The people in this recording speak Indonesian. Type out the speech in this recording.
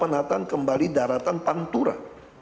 penataan kembali daratan pantura